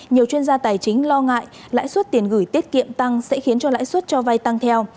nhiều chuyên gia tài chính lo ngại lãi suất tiền gửi tiết kiệm tăng sẽ khiến cho lãi suất cho vay tăng theo